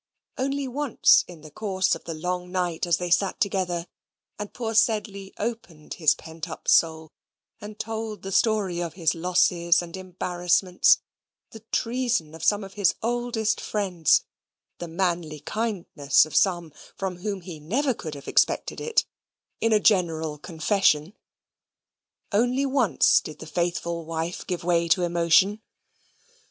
Only once in the course of the long night as they sate together, and poor Sedley opened his pent up soul, and told the story of his losses and embarrassments the treason of some of his oldest friends, the manly kindness of some, from whom he never could have expected it in a general confession only once did the faithful wife give way to emotion.